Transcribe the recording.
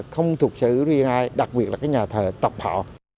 không thuộc sở hữu riêng ai đặc biệt là cái nhà thờ tập họ